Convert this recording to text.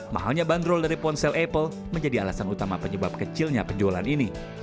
mahalnya bandrol dari ponsel apple menjadi alasan utama penyebab kecilnya penjualan ini